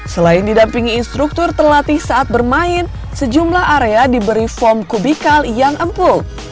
selain didampingi instruktur terlatih saat bermain sejumlah area diberi form kubikal yang empuk